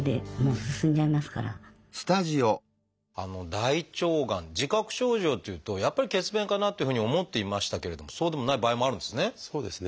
大腸がん自覚症状っていうとやっぱり血便かなっていうふうに思っていましたけれどもそうでもない場合もあるんですね。